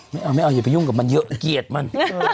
ไม่เอาไม่เอาอย่าไปยุ่งกับมันเยอะเกลียดมัน